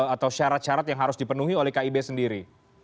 atau syarat syarat yang harus dipenuhi oleh kib sendiri